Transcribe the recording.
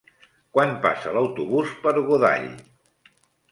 Quan passa l'autobús per Godall?